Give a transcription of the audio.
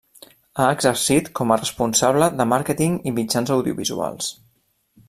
Ha exercit com a responsable de Màrqueting i Mitjans Audiovisuals.